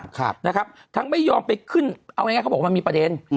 ครับนะครับทั้งไม่ยอมไปขึ้นเอาง่ายเขาบอกว่ามันมีประเด็น